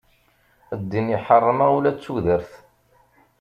Ddin iḥeṛṛem-aɣ ula d tudert.